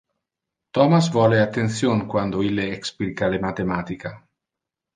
Thomas vole attention quando ille explica le mathematica.